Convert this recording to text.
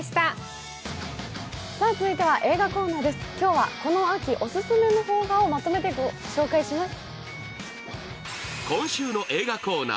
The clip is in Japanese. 続いては、映画コーナーです今日はこの秋、オススメの邦画をまとめてご紹介します。